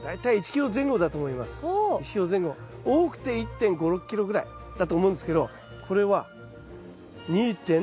多くて１．５１．６ｋｇぐらいだと思うんですけどこれは「２．」？